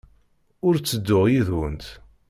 Ur ttedduɣ yid-went.